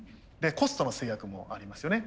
コストの制約もありますよね。